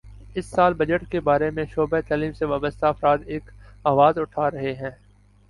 اس سال بجٹ کے بارے میں شعبہ تعلیم سے وابستہ افراد ایک آواز اٹھا رہے ہیں